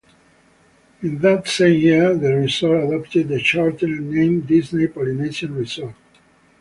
In that same year, the resort adopted the shortened name "Disney's Polynesian Resort".